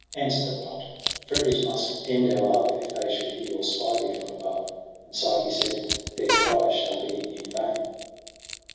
Answer them not : for it must end our love If they should hear or spy thee from above/ And Psyche said ' Their cry shall be in vain.'